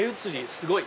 すごい。